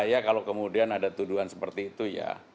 ya kalau kemudian ada tuduhan seperti itu ya